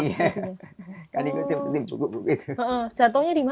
iya kan ini sebelumnya ruim